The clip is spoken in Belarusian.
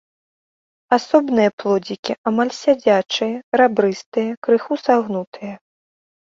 Асобныя плодзікі амаль сядзячыя, рабрыстыя, крыху сагнутыя.